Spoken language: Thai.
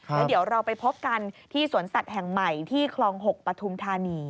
แล้วเดี๋ยวเราไปพบกันที่สวนสัตว์แห่งใหม่ที่คลอง๖ปฐุมธานี